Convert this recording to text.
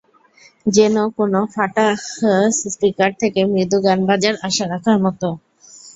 যেন কোনো ফাঁটা স্পিকার থেকে মৃদু গান বাজার আশা রাখার মতো।